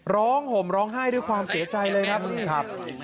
ห่มร้องไห้ด้วยความเสียใจเลยครับ